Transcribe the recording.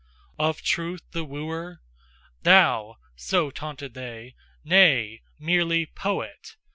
"Of TRUTH the wooer? Thou?" so taunted they "Nay! Merely poet!